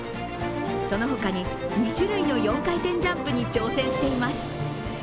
その他に２種類の４回転ジャンプに挑戦しています。